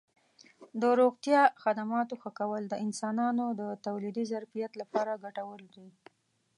د روغتیا خدماتو ښه کول د انسانانو د تولیدي ظرفیت لپاره ګټور دي.